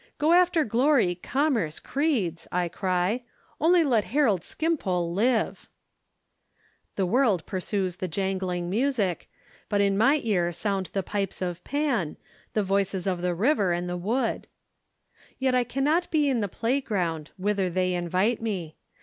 "Go after glory, commerce, creeds," I cry; "only let Harold Skimpole live!" The world pursues the jangling music; but in my ear sound the pipes of Pan, the voices of the river and the wood. Yet I cannot be in the playground, whither they invite me.